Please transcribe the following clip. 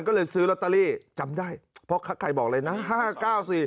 ก็เลยซื้อลอตเตอรี่จำได้พ่อค้าขายบอกเลยนะ๕๙๔